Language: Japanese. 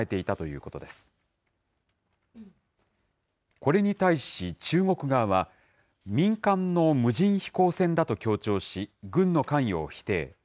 これに対し、中国側は、民間の無人飛行船だと強調し、軍の関与を否定。